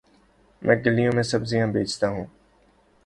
میں گلیوں میں سبزیاں بیچتا ہوں